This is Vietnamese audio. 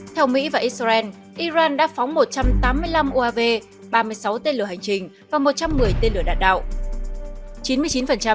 theo mỹ và israel iran đã phóng một trăm tám mươi năm uav ba mươi sáu tên lửa hành trình và một trăm một mươi tên lửa đạn đạo